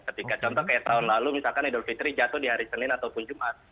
ketika contoh kayak tahun lalu misalkan idul fitri jatuh di hari senin ataupun jumat